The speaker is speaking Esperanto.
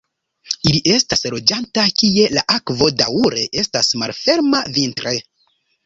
Ili estas loĝanta kie la akvo daŭre estas malferma vintre.